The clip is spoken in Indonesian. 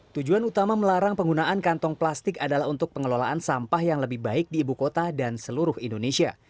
tujuan utama melarang penggunaan kantong plastik adalah untuk pengelolaan sampah yang lebih baik di ibu kota dan seluruh indonesia